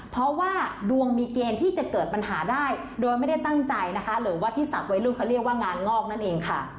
เพราะว่าดวงมีเกณฑ์ที่จะเกิดปัญหาได้โดยไม่ได้ตั้งใจนะคะหรือว่าที่ศัพทวัยรุ่นเขาเรียกว่างานงอกนั่นเองค่ะ